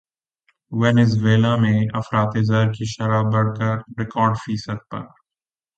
Venezuela میں افراط زر کی شرح بڑھ کر ریکارڈ فیصد پر